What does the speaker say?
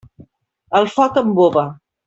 El foc embova.